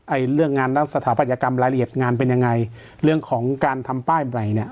เรื่องงานสถาปัตยกรรมรายละเอียดงานเป็นยังไงเรื่องของการทำป้ายใหม่เนี่ย